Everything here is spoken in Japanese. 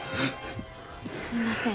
すいません